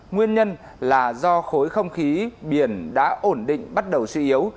nguyên nhân là do khối không khí biển đã ổn định bắt đầu suy yếu